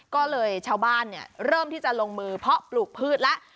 ก็เลยชาวบ้านเริ่มที่จะลงมือเพาะปลูกพืชแล้ว